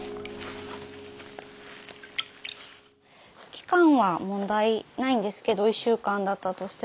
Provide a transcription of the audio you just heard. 期間は問題ないんですけど１週間だったとしても。